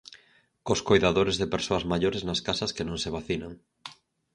Cos coidadores de persoas maiores nas casas que non se vacinan.